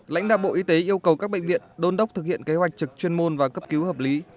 lãnh đạo bộ y tế yêu cầu các bệnh viện đôn đốc thực hiện kế hoạch trực chuyên môn và cấp cứu hợp lý